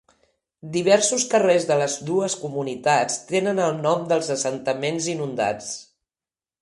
Diversos carrers de les dues comunitats tenen el nom dels assentaments inundats.